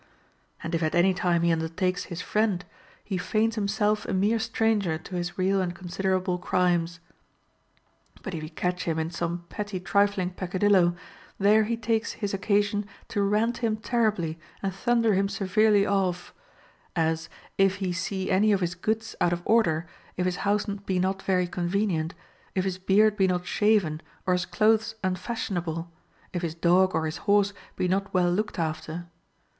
And if at any time he undertakes his friend, he feigns himself a mere stranger to his real and considerable crimes ; but if he catch him in some petty trifling pecca dillo, there he takes his occasion to rant him terribly and thunder him severely off; as, if he see any of his goods out of order, if his house be not very convenient, if his FROM A FRIEND 125 beard be not shaven or his clothes unfashionable, if his dog or his horse be not well looked after.